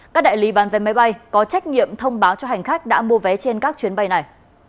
các đại lý bán vé máy bay có trách nhiệm thông báo cho hành khách đã mua vé trên các chuyến bay này